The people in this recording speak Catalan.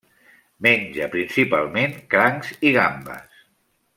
Menja principalment crancs i gambes.